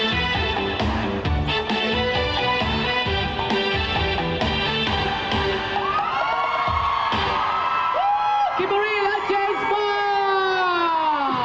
อร่อยอย่างนี้ต้องกินให้เข็ด